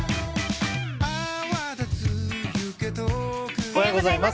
おはようございます。